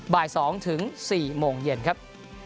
บ่าย๒ถึง๔โมงเย็นครับ